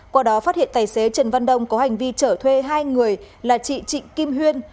qua đó phát hiện tài xế trần văn đông có hành vi chở thuê hai người là chị trịnh kim huyên